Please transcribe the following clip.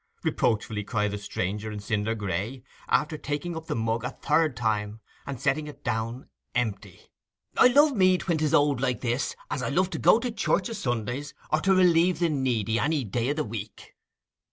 reproachfully cried the stranger in cinder gray, after taking up the mug a third time and setting it down empty. 'I love mead, when 'tis old like this, as I love to go to church o' Sundays, or to relieve the needy any day of the week.